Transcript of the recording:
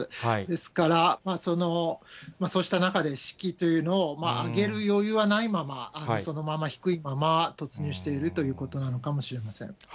ですから、そうした中で、士気というのを上げる余裕はないまま、そのまま低いまま、突入しているということなのかもしれません。